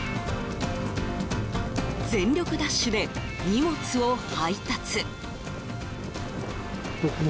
全力ダッシュで荷物を配達。